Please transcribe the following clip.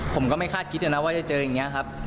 ผมก็ไม่คาดคิดนะว่าจะเจออย่างนี้ครับ